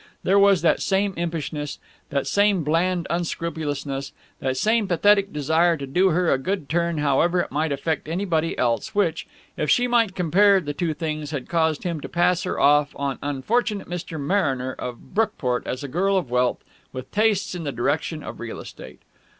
There was that same impishness, that same bland unscrupulousness, that same pathetic desire to do her a good turn however it might affect anybody else which, if she might compare the two things, had caused him to pass her off on unfortunate Mr. Mariner of Brookport as a girl of wealth with tastes in the direction of real estate.